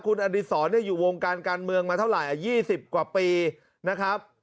คุณอดีศรอยู่วงการการเมืองมาเท่าไหร่๒๐กว่าปีนะครับ